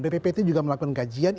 bppt juga melakukan kajian